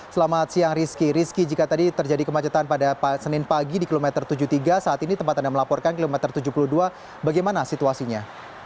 selamat siang rizky rizky jika tadi terjadi kemacetan pada senin pagi di kilometer tujuh puluh tiga saat ini tempat anda melaporkan kilometer tujuh puluh dua bagaimana situasinya